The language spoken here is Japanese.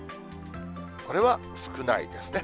これは少ないですね。